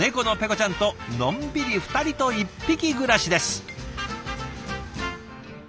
ちゃんとのんびり２人と１匹暮らしです。